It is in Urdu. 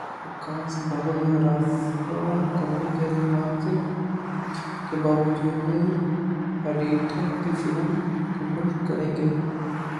وکاس بہل ہراساں کرنے کے الزامات کے باوجود ہریتھک کی فلم مکمل کریں گے